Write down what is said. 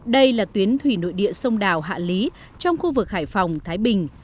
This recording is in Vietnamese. đây là tuyến thủy nội địa sông đào hạ lý trong khu vực hải phòng thái bình